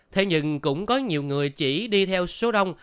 thế nhưng cũng có nhiều người chỉ đi theo số đông